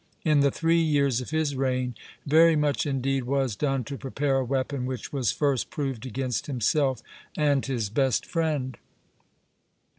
In the three years of his reign very much indeed was done to prepare a weapon which was first proved against himself and his best friend.